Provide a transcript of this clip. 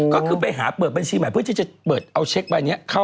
ก็คือไปหาเปิดบัญชีใหม่เพื่อที่จะเปิดเอาเช็คใบนี้เข้า